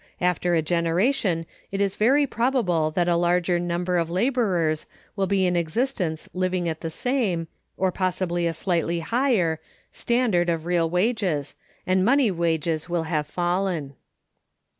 After a generation, it is very probable that a larger number of laborers will be in existence living at the same (or possibly a slightly higher) standard of real wages, and money wages will have fallen.